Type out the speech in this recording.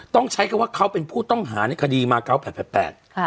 ต้องใช้ก็ว่าเขาเป็นผู้ต้องหาในคดีมาเกาะ๙๘๘